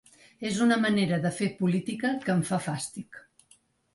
És una manera de fer política que em fa fàstic.